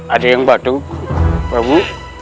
hai ada yang badu baru